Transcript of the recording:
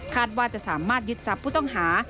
คาดว่าจะสามารถยึดซับผู้ต้องหา